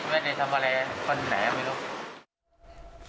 ไม่ได้ทำอะไรวันไหนไม่รู้